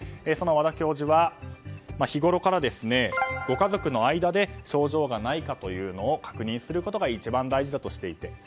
その和田教授は日ごろからご家族の間で症状がないかというのを確認することが一番大事だとしていて。